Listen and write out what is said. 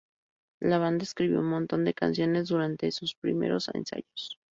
La banda escribió un montón de canciones durante en sus primeros ensayos.